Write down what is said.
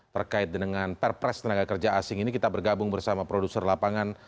terkait dengan perpres tenaga kerja asing ini kita bergabung bersama produser lapangan